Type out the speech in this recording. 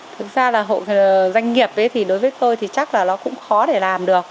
thực ra là hộ doanh nghiệp đối với tôi chắc là nó cũng khó để làm được